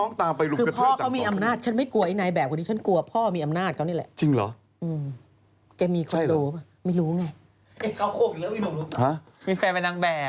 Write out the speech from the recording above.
นี่เข้าโคตรแล้วเองไม่รู้ไง